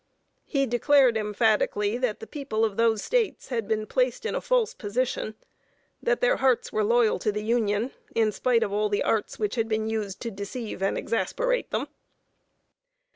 He declared emphatically that the people of those States had been placed in a false position; that their hearts were loyal to the Union, in spite of all the arts which had been used to deceive and exasperate them.